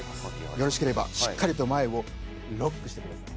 よろしければしっかりと前をロックしてください。